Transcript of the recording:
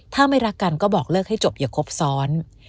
ถ้าไม่รักกันก็บอกเลิกให้จบอย่าครบซ้อน